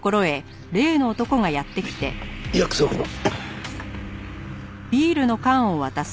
約束の。